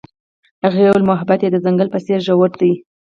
هغې وویل محبت یې د ځنګل په څېر ژور دی.